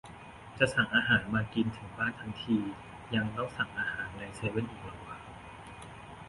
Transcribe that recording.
"จะสั่งอาหารมากินถึงบ้านทั้งที ยังต้องสั่งอาหารในเซเว่นอีกเหรอวะ"